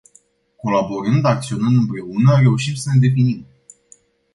Colaborând, acționând împreună, reușim să ne definim.